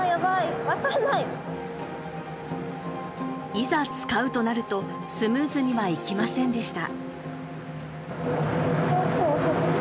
いざ使うとなるとスムーズにはいきませんでした。